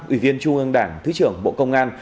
ủy viên trung ương đảng thứ trưởng bộ công an